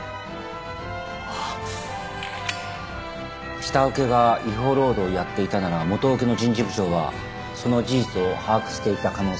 下請けが違法労働をやっていたなら元請けの人事部長はその事実を把握していた可能性が高い。